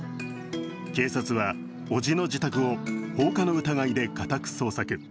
警察は伯父の自宅を放火の疑いで家宅捜索。